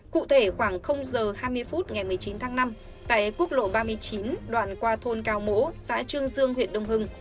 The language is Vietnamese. cụ thể khoảng h hai mươi phút ngày một mươi chín tháng năm tại quốc lộ ba mươi chín đoạn qua thôn cao mỗ xã trương dương huyện đông hưng